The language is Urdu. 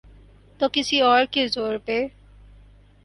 تو کسی اور کے زور پہ۔